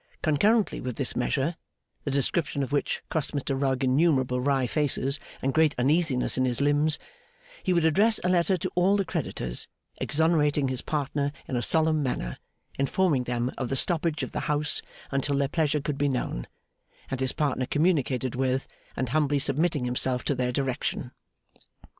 Concurrently with this measure (the description of which cost Mr Rugg innumerable wry faces and great uneasiness in his limbs), he would address a letter to all the creditors, exonerating his partner in a solemn manner, informing them of the stoppage of the House until their pleasure could be known and his partner communicated with, and humbly submitting himself to their direction.